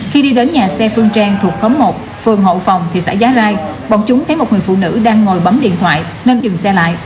khi đi đến nhà xe phương trang thuộc khóm một phường hậu phòng thị xã giá rai bọn chúng thấy một người phụ nữ đang ngồi bấm điện thoại nên dừng xe lại